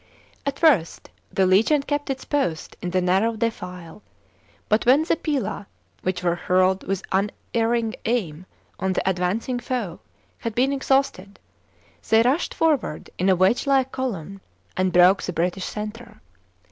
At first the legion kept its post in the narrow defile, but when the pila, which were hurled with unerring aim on the advancing foe, had been exhausted, they rushed forward in a wedge like column and broke the British centre.